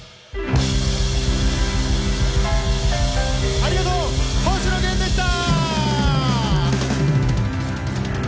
ありがとう星野源でした。